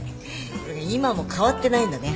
今も変わってないんだね。